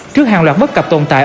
trước hàng loạt bất cập tồn tại